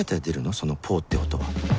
その「ポ」って音は